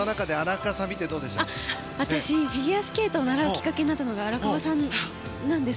私、フィギュアスケート習うきっかけになったのが荒川さんなんです。